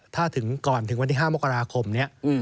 ถ้าถึงก่อนถึงวันที่๕มกราคมนี้